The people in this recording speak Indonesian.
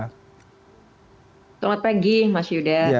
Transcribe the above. selamat pagi mas yuda